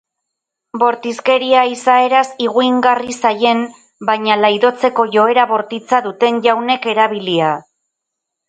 Bortizkeria izaeraz higuingarri zaien baina laidotzeko joera bortitza duten jaunek erabilia.